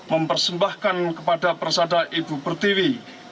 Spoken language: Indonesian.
mempersembahkan kepada persada ibu pertiwi